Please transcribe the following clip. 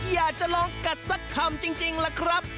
อยากจะลองกัดสักคำจริงล่ะครับ